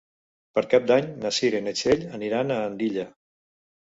Per Cap d'Any na Cira i na Txell aniran a Andilla.